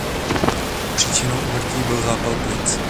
Příčinou úmrtí byl zápal plic.